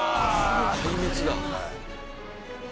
壊滅だ。